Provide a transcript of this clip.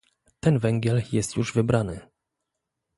"Ten węgiel jest już wybrany."